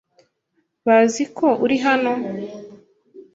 Bazi ko uri hano?